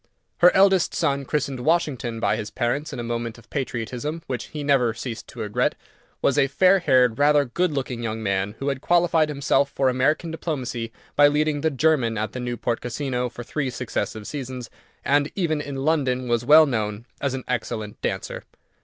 Her eldest son, christened Washington by his parents in a moment of patriotism, which he never ceased to regret, was a fair haired, rather good looking young man, who had qualified himself for American diplomacy by leading the German at the Newport Casino for three successive seasons, and even in London was well known as an excellent dancer.